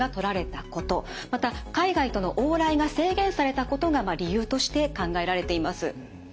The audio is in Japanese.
また海外との往来が制限されたことが理由として考えられています。